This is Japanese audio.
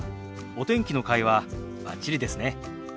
お天気の会話バッチリですね。